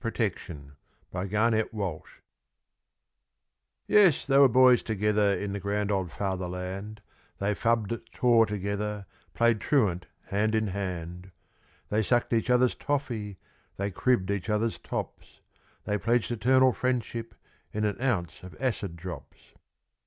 PROTECTION._ Yes, they were boys together in the grand old Fatherland, They fubbed at taw together, played truant hand in hand, They sucked each other's toffy, they cribbed each other's tops, They pledged eternal friendship in an ounce of acid drops.